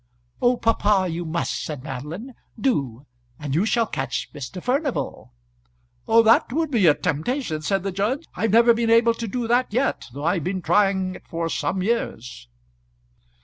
"Oh, papa, you must," said Madeline. "Do and you shall catch Mr. Furnival." "That would be a temptation," said the judge. "I've never been able to do that yet, though I've been trying it for some years."